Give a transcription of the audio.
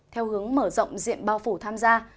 theo hướng mở rộng diện bao phủ tham gia